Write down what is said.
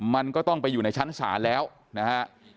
มันก็ต้องไปอยู่ในชั้นศาลแล้วนะฮะ